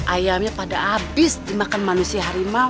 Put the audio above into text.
ayamnya pada habis dimakan manusia harimau